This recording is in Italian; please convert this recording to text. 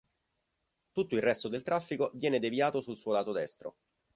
Tutto il resto del traffico viene deviato sul suo lato destro.